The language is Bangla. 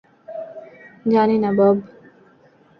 জানি না, বব।